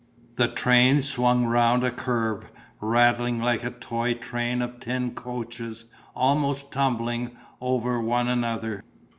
The train swung round a curve, rattling like a toy train of tin coaches almost tumbling over one another.